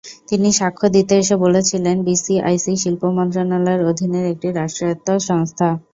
তিনি সাক্ষ্য দিতে এসে বলেছিলেন, বিসিআইসি শিল্প মন্ত্রণালয়ের অধীনের একটি রাষ্ট্রায়ত্ত সংস্থা।